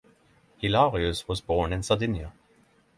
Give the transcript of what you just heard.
Hilarius was born in Sardinia.